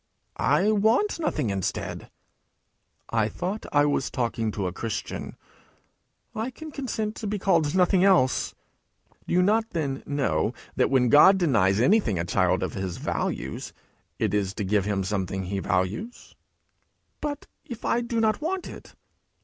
'I want nothing instead.' 'I thought I was talking to a Christian!' 'I can consent to be called nothing else.' 'Do you not, then, know that, when God denies anything a child of his values, it is to give him something he values?' 'But if I do not want it?'